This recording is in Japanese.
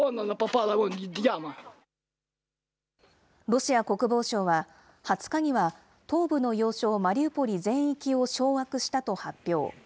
ロシア国防省は、２０日には東部の要衝マリウポリ全域を掌握したと発表。